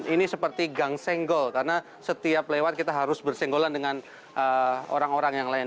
ini seperti gang senggol karena setiap lewat kita harus bersenggolan dengan orang orang yang lain